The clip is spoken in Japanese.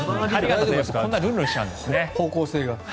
こんなにルンルンしちゃうんですね。